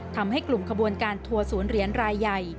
ทำให้กลุ่มขบวนการทัวร์ศูนย์เหรียญรายใหญ่